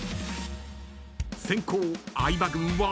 ［先攻相葉軍は］